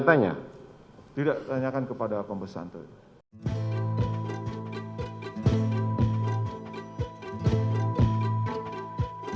tidak tanyakan kepada pembesantren